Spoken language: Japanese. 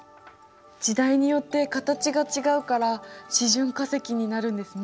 時代によって形が違うから示準化石になるんですね。